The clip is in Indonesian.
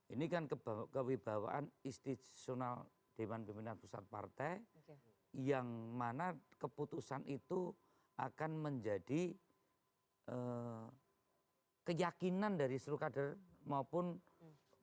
ini kan kewibawaan istisional dewan pemimpinan khusus partai yang mana keputusan itu akan menjadi keyakinan dari seluruh kader maupun program pemimpin